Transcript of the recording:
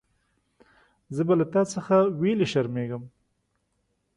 زه به له تا څخه ویلي شرمېږم.